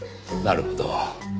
なるほど。